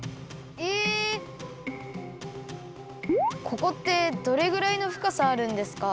ここってどれぐらいのふかさあるんですか？